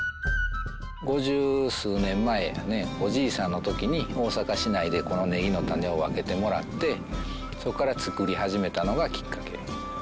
五十数年前やねおじいさんの時に大阪市内でこのネギのタネを分けてもらってそこから作り始めたのがきっかけ。